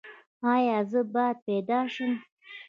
ایا زه باید پیدا شم؟